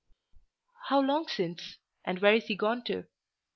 "How long since? and where is he gone to?"